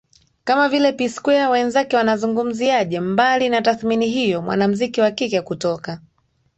kama vile P Squire Wenzake wanamzungumziaje Mbali na tathmini hiyo mwanamuziki wa kike kutoka